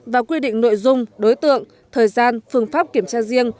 và quy định nội dung đối tượng thời gian phương pháp kiểm tra riêng